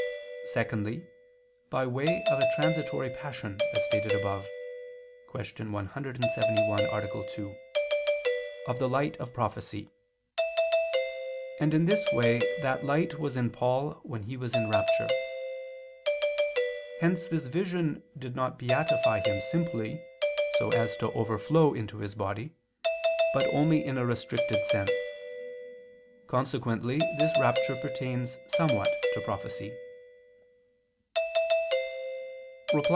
Secondly, by way of a transitory passion, as stated above (Q. 171, A. 2) of the light of prophecy; and in this way that light was in Paul when he was in rapture. Hence this vision did not beatify him simply, so as to overflow into his body, but only in a restricted sense. Consequently this rapture pertains somewhat to prophecy.